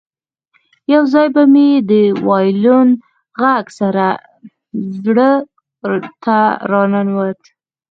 یو ځای به مې د وایلون غږ زړه ته راننوت